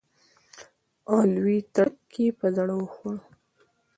او لوی تړک یې په زړه وخوړ.